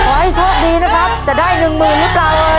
โอ้ยโชคดีนะครับจะได้๑๐๐๐๐หรือเปล่าเท่าไร